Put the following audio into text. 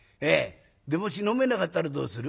でもし飲めなかったらどうする？」。